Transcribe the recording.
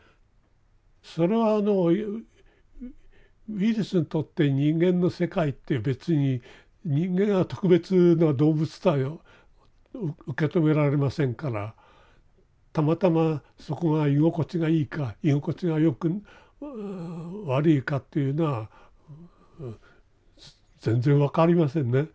それはあのウイルスにとって人間の世界って別に人間が特別な動物とは受け止められませんからたまたまそこが居心地がいいか居心地がよく悪いかっていうのは全然分かりませんね。